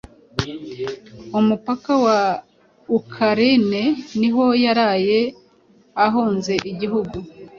umupaka wa Ukraine niho yaraye ahunze igihugu